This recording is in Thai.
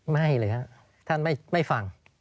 ไม่เลยครับท่านไม่ฟัง